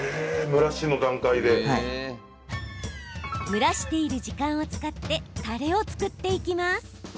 蒸らしている時間を使ってたれを作っていきます。